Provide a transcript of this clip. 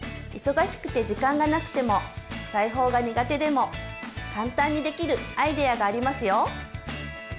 忙しくて時間がなくても裁縫が苦手でも簡単にできるアイデアがありますよ。